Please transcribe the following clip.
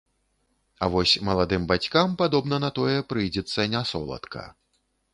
А вось маладым бацькам, падобна на тое, прыйдзецца нясоладка.